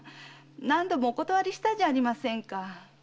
何度もお断りしたじゃありませんか。